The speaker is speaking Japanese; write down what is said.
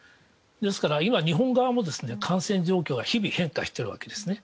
ですから今、日本側も感染状況が日々変化しているわけです。